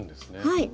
はい。